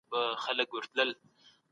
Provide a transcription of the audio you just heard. خپله شتمني له حلالې لاري پیدا کړئ.